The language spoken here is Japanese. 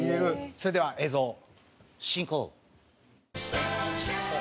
それでは映像進行！